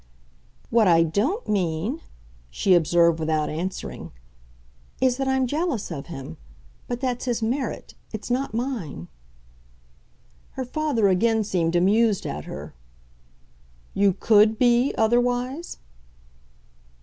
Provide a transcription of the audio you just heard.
"What I DON'T mean," she observed without answering, "is that I'm jealous of him. But that's his merit it's not mine." Her father again seemed amused at her. "You COULD be otherwise?"